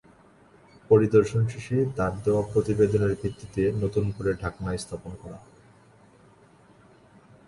পরিদর্শন শেষে তাঁর দেওয়া প্রতিবেদনের ভিত্তিতে নতুন করে ঢাকনা স্থাপন করা হবে।